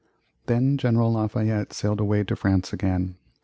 Then General Lafayette sailed away to France again.